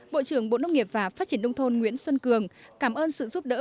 bộ trưởng bộ nông nghiệp và phát triển nông thôn nguyễn xuân cường cảm ơn sự giúp đỡ